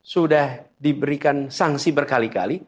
sudah diberikan sanksi berkali kali